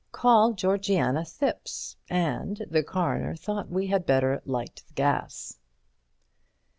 Call Georgiana Thipps, and the Coroner thought we had better light the gas.